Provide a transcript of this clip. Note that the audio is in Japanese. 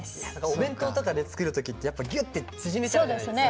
お弁当とかで作る時ってやっぱぎゅって縮めちゃうじゃないですか。